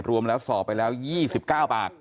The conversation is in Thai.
รวมแล้วสอบไปแล้ว๒๙ปาก